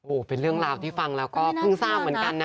เป็นเรื่องราวที่ฟังแล้วก็เพิ่งทราบเหมือนกันนะ